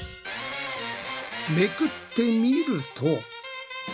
めくってみると。